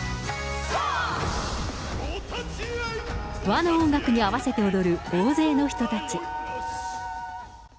和の音楽に合わせて踊る、大勢の人たち。